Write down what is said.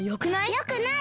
よくない！